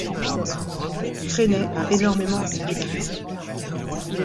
Freinet a énormément écrit.